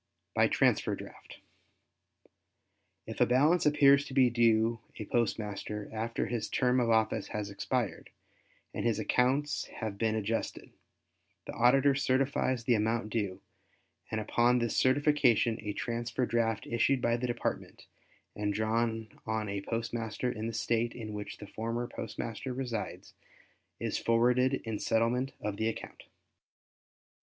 By Transfer Draft.—If a balance appears to be due a postmaster after his term of office has expired and his accounts have been adjusted, the Auditor certifies the amount due and upon this certification a transfer draft issued by the Department and drawn on a postmaster in the State in which the former postmaster resides, is forwarded in settlement of the account.